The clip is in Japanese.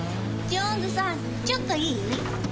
ジョーンズさんちょっといい？